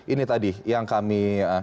ini tadi yang kami